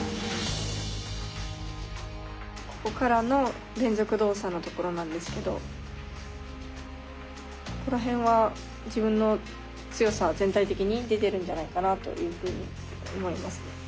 ここからの連続動作のところなんですけどここらへんは自分の強さが全体的に出てるんじゃないかなというふうに思いますね。